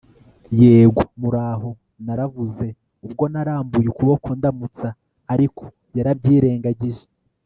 yego. muraho, naravuze, ubwo narambuye ukuboko ndamutsa. ariko yarabyirengagije